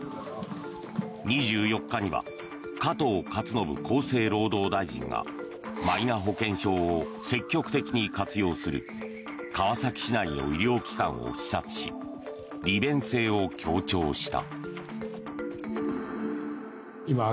２４日には加藤勝信厚生労働大臣がマイナ保険証を積極的に活用する川崎市内の医療機関を視察し利便性を強調した。